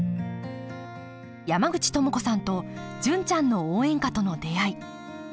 山口智子さんと「純ちゃんの応援歌」との出会い。